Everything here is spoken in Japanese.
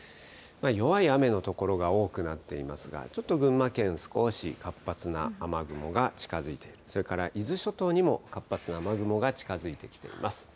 弱い雨の所が多くなっていますが、ちょっと群馬県、少し活発な雨雲が近づいていて、それから伊豆諸島にも活発な雨雲が近づいてきています。